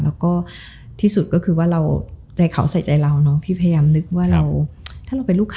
และก็ที่สุดคือใจเขาใส่ใจเราพี่พยายามนึกว่าถ้าเราเป็นลูกค้า